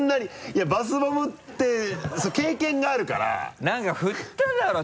いやバスボムって経験があるからなんか振っただろ